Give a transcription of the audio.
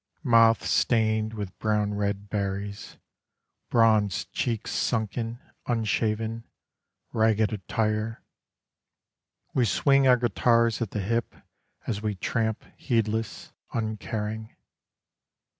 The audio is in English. Mouths stained with brown red berries, Bronzed cheeks sunken, unshaven, Ragged attire; We swing our guitars at the hip As we tramp heedless, uncaring.